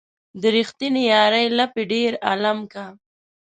د ريښتينې يارۍ لاپې ډېر عالم کا